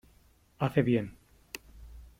hace bien .